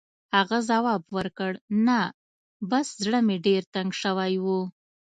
هغه ځواب ورکړ: «نه، بس زړه مې ډېر تنګ شوی و.